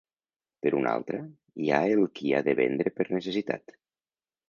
Per una altra, hi ha el qui ha de vendre per necessitat.